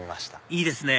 いいですね